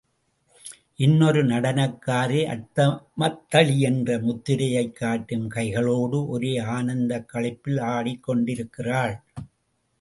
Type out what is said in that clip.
இன்னொரு நடனக்காரி அர்த்தமத்தளி என்ற முத்திரையைக் காட்டும் கைகளோடு, ஒரே ஆனந்தக் களிப்பில் ஆடிக் கொண்டிருக்கிறாள்.